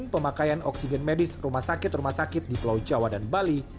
pemakaian oksigen medis rumah sakit rumah sakit di pulau jawa dan bali